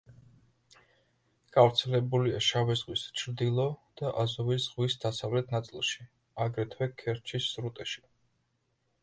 გავრცელებულია შავი ზღვის ჩრდილო და აზოვის ზღვის დასავლეთ ნაწილში, აგრეთვე ქერჩის სრუტეში.